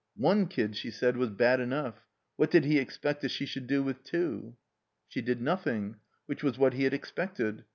One kid, she said, was bad enough ; what did he expect that she shotild do with two? She did nothing; which was what he had expected.